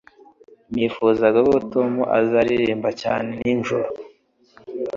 Nifuzaga ko Tom atazaririmba cyane nijoro